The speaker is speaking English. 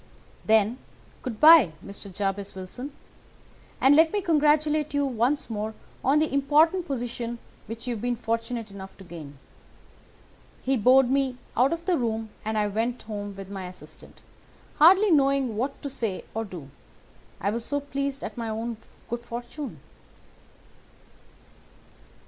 "'Then, good bye, Mr. Jabez Wilson, and let me congratulate you once more on the important position which you have been fortunate enough to gain.' He bowed me out of the room and I went home with my assistant, hardly knowing what to say or do, I was so pleased at my own good fortune.